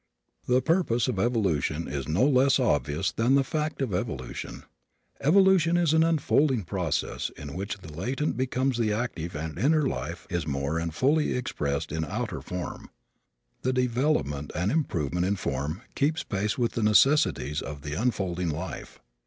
The purpose of evolution is no less obvious than the fact of evolution. Evolution is an unfolding process in which the latent becomes the active and the inner life is more and more fully expressed in outer form. The development and improvement in form keeps pace with the necessities of the unfolding life.